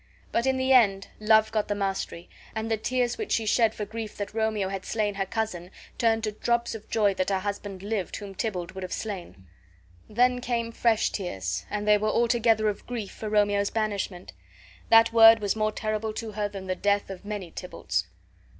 But in the end love got the mastery, and the tears which she shed for grief that Romeo had slain her cousin turned to drops of joy that her husband lived whom Tybalt would have slain. Then came fresh tears, and they were altogether of grief for Romeo's banishment. That word was more terrible to her than the death of many Tybalts.